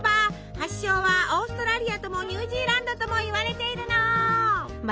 発祥はオーストラリアともニュージーランドともいわれているの。